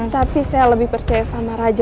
tapi saya lebih percaya sama raja